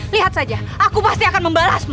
lihat saja aku pasti akan membalasmu